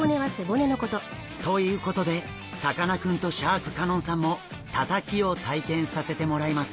ということでさかなクンとシャーク香音さんもたたきを体験させてもらいます！